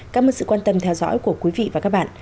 cảm ơn sự quan tâm theo dõi của quý vị và các bạn